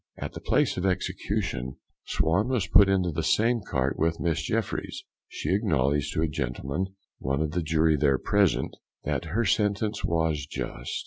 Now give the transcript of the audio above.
At the place of execution Swan was put into the same cart with Miss Jeffryes, She acknowledged to a gentleman, one of the jury, there present, "That her sentence was just."